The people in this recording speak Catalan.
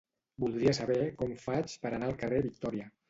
Voldria saber com faig per anar al carrer Victòria.